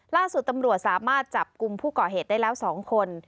ล่าสุดตำรวจสามารถจับกลุ่มผู้ก่อเหตุได้แล้ว๒คน